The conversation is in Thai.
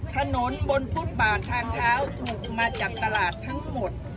ถนนบนพุทธบาคางขาวถูกมาจากตลาดทั้งหมด